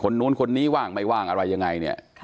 นู้นคนนี้ว่างไม่ว่างอะไรยังไงเนี่ย